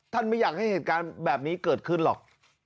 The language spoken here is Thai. ไม่อยากให้เหตุการณ์แบบนี้เกิดขึ้นหรอก